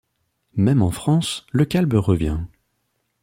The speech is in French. Même en France, le calme revient.